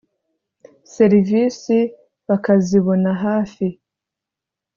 serivisi bakazibona hafi